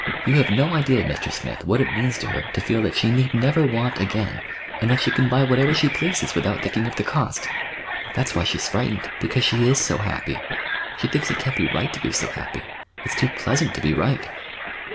You have no idea, Mr. Smith, what it means to her, to feel that she need never want again, and that she can buy whatever she pleases, without thinking of the cost. That's why she's frightened—because she is so happy. She thinks it can't be right to be so happy. It's too pleasant—to be right.